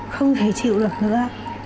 không thể chịu được nữa